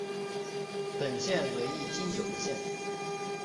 本县为一禁酒的县。